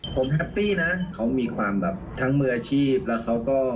ผมแฮปปี้นะเขามีความแบบทั้งมืออาชีพแล้วเขาก็